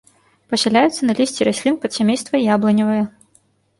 Пасяляюцца на лісці раслін падсямейства яблыневыя.